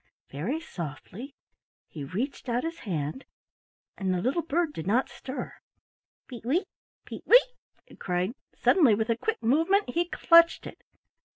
Very softly he reached out his hand and the little bird did not stir. "Peet weet! peet weet!" it cried. Suddenly with a quick movement he clutched it.